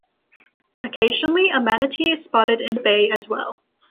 Occasionally a manatee is spotted in the bay as well.